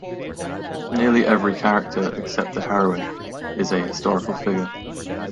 Nearly every character - except the heroine - is a historical figure.